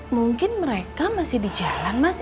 mungkin mereka masih di jalan mas